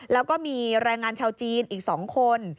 แล้วก็มีแรงงานชาวจีนอีก๒คน